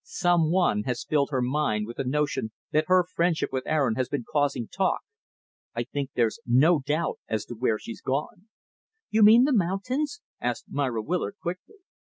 "Some one has filled her mind with the notion that her friendship with Aaron has been causing talk. I think there's no doubt as to where she's gone." "You mean the mountains?" asked Myra Willard, quickly.